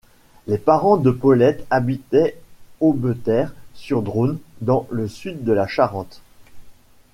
Les parents de Paulette habitaient Aubeterre-sur-Dronne dans le sud de la Charente.